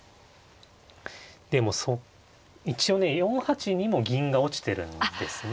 でも一応ね４八にも銀が落ちてるんですね。